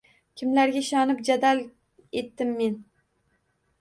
Kimlarga ishonib jadal etdim men?!